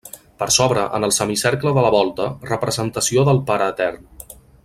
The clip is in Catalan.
Per sobre, en el semicercle de la volta, representació del Pare Etern.